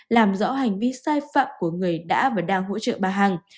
làm rõ hành vi sai phạm của người đã và đang hỗ trợ bà hằng